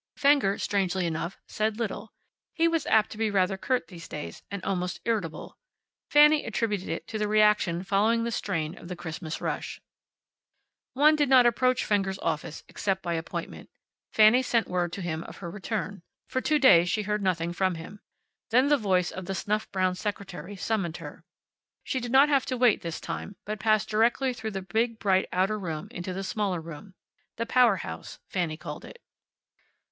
Fenger, strangely enough, said little. He was apt to be rather curt these days, and almost irritable. Fanny attributed it to the reaction following the strain of the Christmas rush. One did not approach Fenger's office except by appointment. Fanny sent word to him of her return. For two days she heard nothing from him. Then the voice of the snuff brown secretary summoned her. She did not have to wait this time, but passed directly through the big bright outer room into the smaller room. The Power House, Fanny called it.